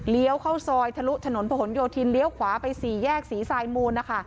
เข้าซอยทะลุถนนผนโยธินเลี้ยวขวาไปสี่แยกศรีทรายมูลนะคะ